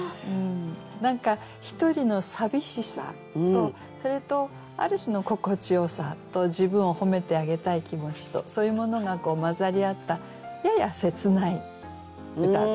何か一人の寂しさとそれとある種の心地よさと自分を褒めてあげたい気持ちとそういうものが混ざり合ったやや切ない歌ですね。